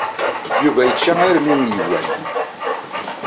Yuba yečča armi ay yuwan.